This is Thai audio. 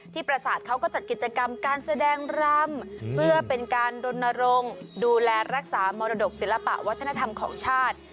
ประสาทเขาก็จัดกิจกรรมการแสดงรำเพื่อเป็นการรณรงค์ดูแลรักษามรดกศิลปะวัฒนธรรมของชาติ